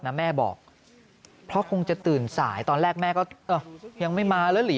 แม่บอกเพราะคงจะตื่นสายตอนแรกแม่ก็ยังไม่มาแล้วหลี